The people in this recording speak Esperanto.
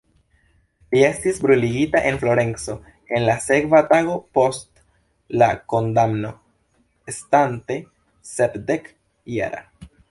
Li estis bruligita en Florenco en la sekva tago post la kondamno, estante sepdek-jara.